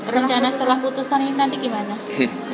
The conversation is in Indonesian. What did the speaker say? rencana setelah putusan ini nanti gimana